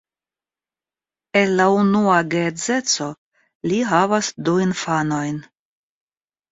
El la unua geedzeco li havas du infanojn.